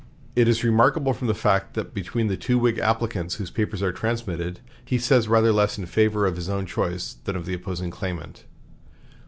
It is remarkable from the fact that between the two Whig applicants whose papers are transmitted, he says rather less in favor of his own choice than of the opposing claimant.